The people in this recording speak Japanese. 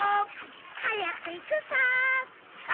はやくいくさ！